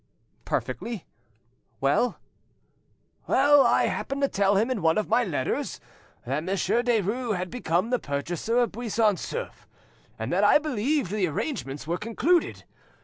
"Perfectly. Well?" "Well, I happened to tell him in one of my letters that Monsieur Derues had become the purchaser of Buisson Souef, and that I believed the arrangements were concluded.